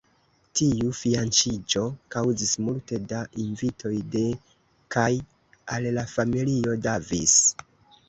Tiu fianĉiĝo kaŭzis multe da invitoj de kaj al la familio Davis.